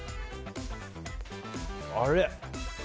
あれ。